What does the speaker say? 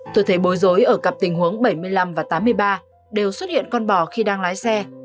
tôi thấy bối rối ở cặp tình huống bảy mươi năm và tám mươi ba đều xuất hiện con bò khi đang lái xe